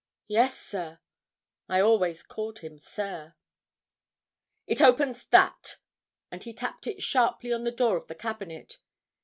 'Yes, sir.' I always called him 'sir.' 'It opens that,' and he tapped it sharply on the door of the cabinet.